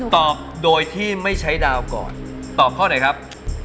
ตอบโดยที่ไม่ใช้ดาวก่อนตอบข้อไหนครับ